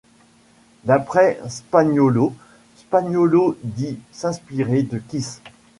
D'après Spaniolo, Spaniolo dit s'inspirer de Kiss.